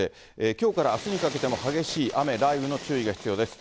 きょうからあすにかけても激しい雨、雷雨の注意が必要です。